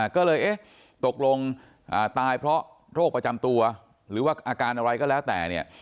ก็เลยเอ๊ะตกลงตายเพราะโรคประจำตัวหรือว่าอาการอะไรก็แล้วแต่เนี่ย